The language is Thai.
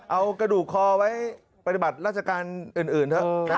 เอากระดูกคอไว้ปฏิบัติราชการอื่นเถอะ